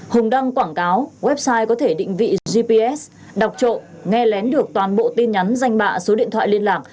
hùng đăng quảng cáo website có thể định vị gps đọc trộn nghe lén được toàn bộ tin nhắn danh bạ số điện thoại liên lạc